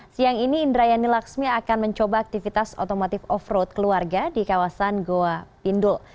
siang ini indrayani laksmi akan mencoba aktivitas otomotif off road keluarga di kawasan goa pindul